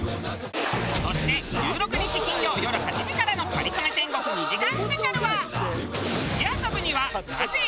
そして１６日金曜よる８時からの『かりそめ天国』２時間スペシャルは。